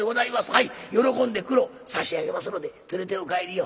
はい喜んでクロ差し上げますので連れてお帰りよ。